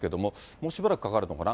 もうしばらくかかるのかな。